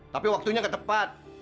tapi waktunya gak tepat